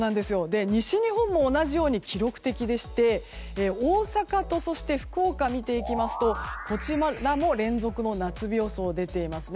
西日本も同じように記録的でして大阪と福岡を見ていきますとこちらも連続の夏日予想が出ています。